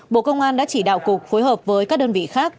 bộ công an đã chỉ đạo cục phối hợp với các đơn vị khác